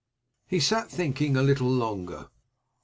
He sat thinking a little longer.